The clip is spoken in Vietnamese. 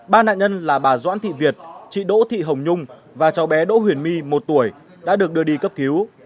ba nạn nhân là bà doãn thị việt chị đỗ thị hồng nhung và cháu bé đỗ huyền my một tuổi đã được đưa đi cấp cứu